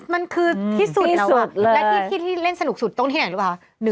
มันคือที่สุดแล้วอะและที่เล่นสนุกสุดตรงที่ไหนหรือเปล่า